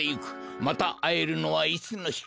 またあえるのはいつのひか。